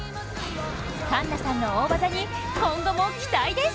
柑奈さんの大技に今後も期待です。